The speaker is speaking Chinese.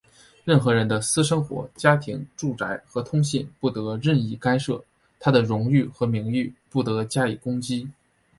任何人的私生活、家庭、住宅和通信不得任意干涉,他的荣誉和名誉不得加以攻击。